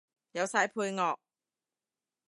有晒配樂